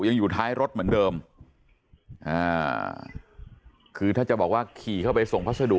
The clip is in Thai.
ยังอยู่ท้ายรถเหมือนเดิมอ่าคือถ้าจะบอกว่าขี่เข้าไปส่งพัสดุ